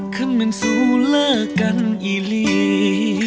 ขั้นเม้นซูแล้วกันอีลี